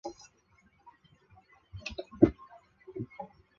松栉圆盾介壳虫为盾介壳虫科栉圆盾介壳虫属下的一个种。